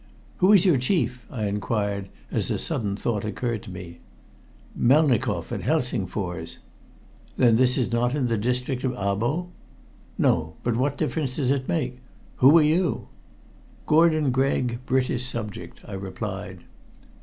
"Who is your chief?" I inquired, as a sudden thought occurred to me. "Melnikoff, at Helsingfors." "Then this is not in the district of Abo?" "No. But what difference does it make? Who are you?" "Gordon Gregg, British subject," I replied.